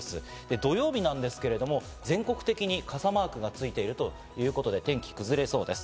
土曜日ですけれども、全国的に傘マークがついているということで、天気が崩れそうです。